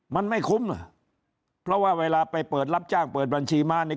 มันไม่คุ้มอ่ะเพราะว่าเวลาไปเปิดรับจ้างเปิดบัญชีม้าเนี่ย